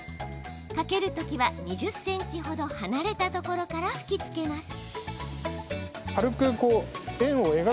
かけるときは２０ｃｍほど離れたところから吹きつけます。